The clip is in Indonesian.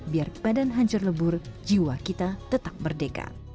biar badan hancur lebur jiwa kita tetap merdeka